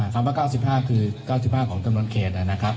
คำว่า๙๕คือ๙๕ของจำนวนเขต